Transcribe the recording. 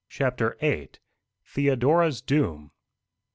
CHAPTER VIII. THEODORA'S DOOM.